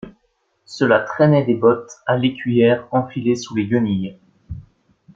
Cela traînait des bottes à l'écuyère enfilées sous les guenilles.